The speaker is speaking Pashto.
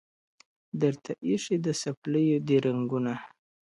درته ایښي د څپلیو دي رنګونه!.